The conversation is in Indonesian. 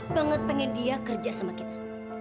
banget pengen dia kerja sama kita